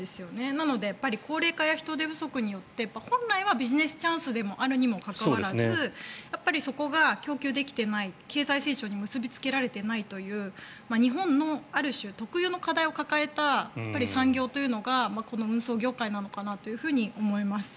なので、高齢化や人手不足によって本来はビジネスチャンスであるにもかかわらずやっぱりそこが供給できていない経済成長に結びつけられていないという日本のある種、特有の課題を抱えた産業というのがこの運送業界かなと思います。